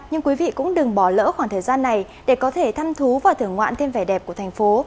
nhưng quý vị cũng đừng bỏ lỡ khoảng thời gian này để có thể thăm thú và thưởng ngoạn thêm vẻ đẹp của thành phố